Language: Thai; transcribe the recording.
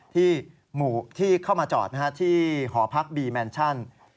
ที่หมู่ที่เข้ามาจอดที่หอพักบีแมนชั่น